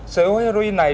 số heroin này